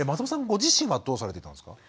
ご自身はどうされていたんですか？